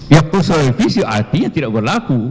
yang diserah revisi artinya tidak berlaku